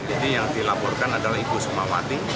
ini yang dilaporkan adalah ibu sukmawati